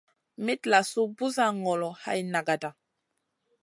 Mitlasou busa ŋolo hay nagata.